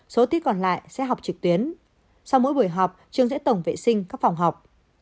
số thi còn lại sẽ học trực tuyến sau mỗi buổi họp trường sẽ tổng vệ sinh các phòng học